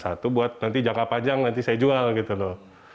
satu buat nanti jangka panjang nanti saya jual gitu loh